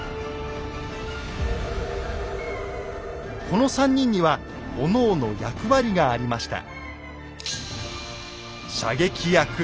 この３人にはおのおの役割がありました。